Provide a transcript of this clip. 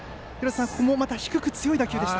ここもまた、低く強い打球でした。